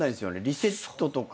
リセットとか。